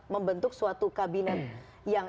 membentuk suatu kabinet yang